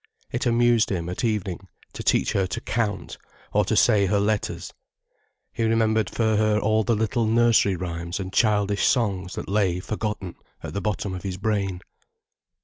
It amused him, at evening, to teach her to count, or to say her letters. He remembered for her all the little nursery rhymes and childish songs that lay forgotten at the bottom of his brain.